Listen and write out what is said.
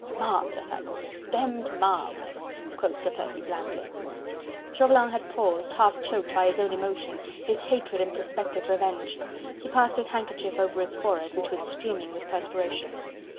"Marvellous, I call it... demmed marvellous," quoth Sir Percy blandly. Chauvelin had paused, half choked by his own emotion, his hatred and prospective revenge. He passed his handkerchief over his forehead, which was streaming with perspiration.